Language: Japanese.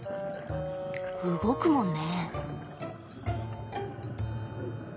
動くもんね。